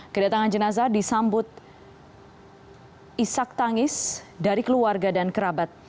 kedatangan jenazah disambut isak tangis dari keluarga dan kerabat